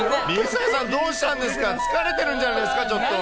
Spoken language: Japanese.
水谷さん、どうしたんですか、疲れてるんじゃないですか、ちょっと。